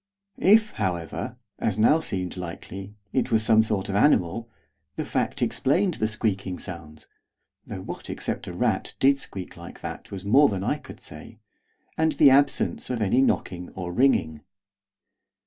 If, however, as now seemed likely, it was some sort of animal, the fact explained the squeaking sounds, though what, except a rat, did squeak like that was more than I could say and the absence of any knocking or ringing.